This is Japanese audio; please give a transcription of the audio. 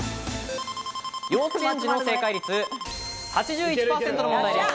幼稚園児の正解率８１％の問題です。